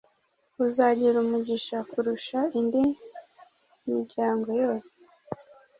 uzagira umugisha kurusha indi miryango yose;